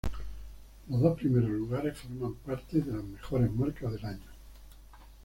Los dos primeros lugares forman parte de las mejores marcas del año.